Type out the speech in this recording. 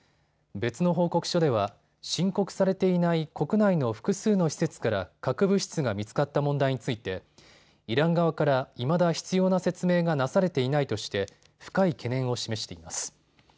別の報告書では申告されていない国内の複数の施設から核物質が見つかった問題についてイラン側からいまだ必要な説明がなされていないとして深い懸念を示しています。